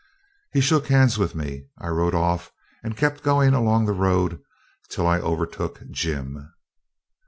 He shook hands with me. I rode off and kept going along the road till I overtook Jim.